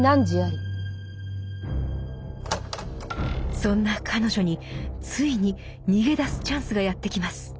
そんな彼女についに逃げ出すチャンスがやって来ます。